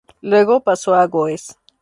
Luego pasó a Goes.